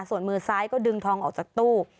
ส่วนมือซ้ายก็ดึงทองออกจากตู้